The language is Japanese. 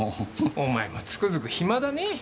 お前もつくづく暇だねぇ。